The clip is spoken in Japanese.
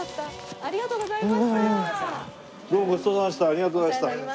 ありがとうございます。